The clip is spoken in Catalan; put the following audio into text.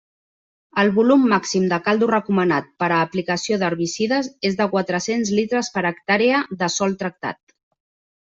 El volum màxim de caldo recomanat per a aplicació d'herbicides és de quatre-cents litres per hectàrea de sòl tractat.